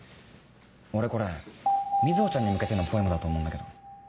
俺これ瑞穂ちゃんに向けてのポエムだと思うんだけど。